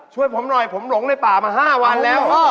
ช่วยผมหน่อยผมหลงในป่ามา๕วันแล้ว